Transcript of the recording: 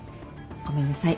ごめんなさい。